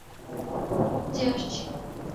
জি, আসছি।